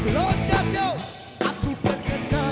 lampunya pun indah